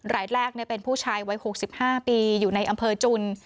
รายแรกเป็นผู้ชายวัย๖๕ปีอยู่ในอำเภอจุน